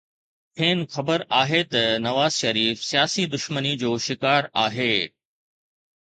کين خبر آهي ته نواز شريف سياسي دشمني جو شڪار آهي.